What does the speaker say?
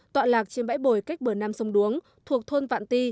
tọa lạc trên bãi bồi cách bờ nam sông đuống thuộc thôn vạn ti